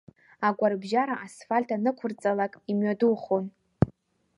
Агәарбжьара асфальт анықәырҵалак, имҩадухон.